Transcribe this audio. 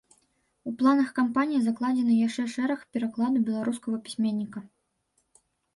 У планах кампаніі закладзены яшчэ шэраг перакладаў беларускага пісьменніка.